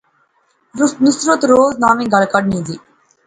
نصرت روز ناوی گل کھڈنی سی